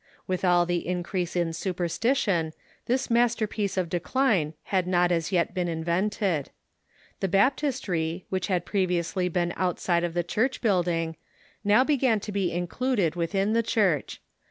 With all the increase in superstition, this masterpiece of de cline had not as yet been invented. The baptistery, which had previously been outside of the church building, now be gan to be included within the church.